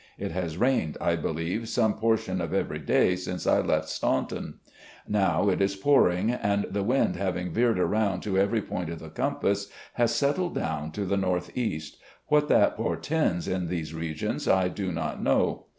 It has rained, I believe, some portion of every day since I left Staunton. Now it is pouring, and the wind, having veered around to every point of the compass, has settled down to the northeast. What that portends in these regions I do not know.